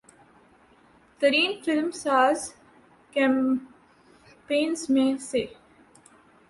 ترین film ساز companies میں سے